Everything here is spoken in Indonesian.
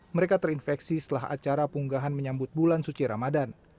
mereka terinfeksi setelah acara punggahan menyambut bulan suci ramadan